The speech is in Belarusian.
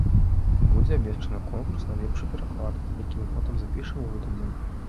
Будзе абвешчаны конкурс на лепшы пераклад, які мы потым запішам і выдадзім.